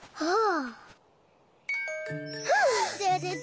ああ！